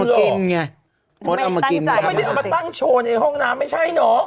เขาไม่ได้เอามาตั้งโชว์ในห้องน้ำไม่ใช่เนอะ